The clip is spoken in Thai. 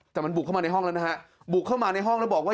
แต่มันบุกเข้ามาในห้องแล้วนะฮะบุกเข้ามาในห้องแล้วบอกว่า